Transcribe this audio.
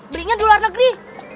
berinya di luar negeri